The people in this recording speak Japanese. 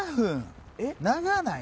長ない？